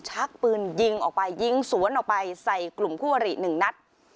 ชักปืนยิงออกไปยิงสวนออกไปใส่กลุ่มคู่อริหนึ่งนัด